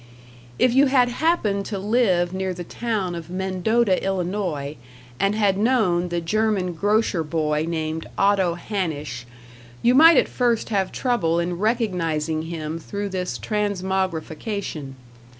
If you had happened to live near the town of Mendota, Illinois, and had known the German grocer boy named Otto Hanisch, you might at first have trouble in recognizing him through this transmogrification.